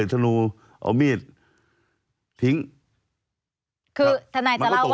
คือท่านายจะเล่าว่าสิ่งที่ว่าสินให้การมันก็ยิ่งมีน้ำหนัก